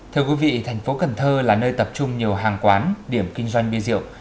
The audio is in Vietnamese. thưa quý vị tp cn là nơi tập trung nhiều hàng quán điểm kinh doanh bia rượu